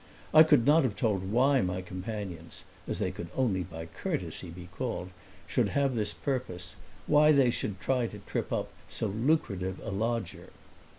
I could not have told why my companions (as they could only by courtesy be called) should have this purpose why they should try to trip up so lucrative a lodger.